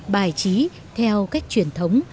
bài trí theo cách truyền thống